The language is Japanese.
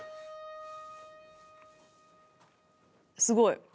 すごい。